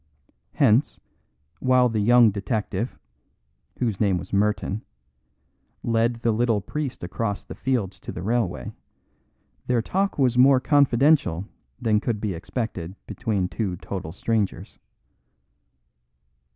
Hence, while the young detective (whose name was Merton) led the little priest across the fields to the railway, their talk was more confidential than could be expected between two total strangers.